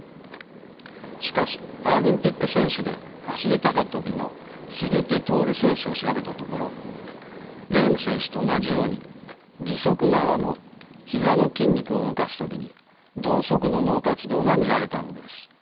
しかしパラリンピック選手で走り高跳びの鈴木徹選手を調べたところレーム選手と同じように義足側の膝の筋肉を動かす時に同側の脳活動が見られたのです。